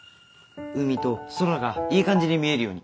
海と空がいい感じに見えるように。